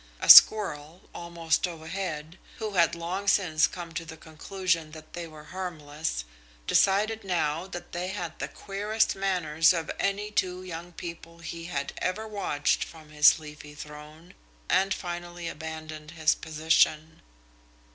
A squirrel, almost overhead, who had long since come to the conclusion that they were harmless, decided now that they had the queerest manners of any two young people he had ever watched from his leafy throne, and finally abandoned his position.